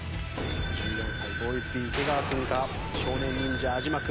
１４歳Ｂｏｙｓｂｅ池川君か少年忍者安嶋君